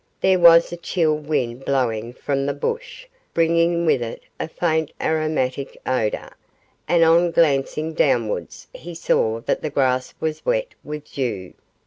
There was a chill wind blowing from the bush, bringing with it a faint aromatic odour, and on glancing downwards he saw that the grass was wet with dew.